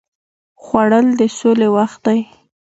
خوړل د سولې وخت دی